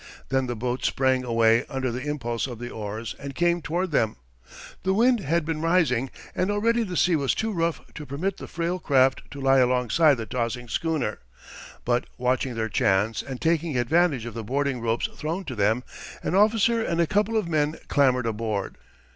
Then the boat sprang away under the impulse of the oars, and came toward them. The wind had been rising, and already the sea was too rough to permit the frail craft to lie alongside the tossing schooner; but watching their chance, and taking advantage of the boarding ropes thrown to them, an officer and a couple of men clambered aboard.